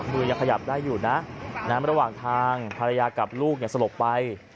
มือยังขยับได้อยู่นะระหว่างทางภรรยากับลูกสลบไป